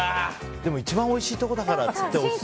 でも一番おいしいところだからって。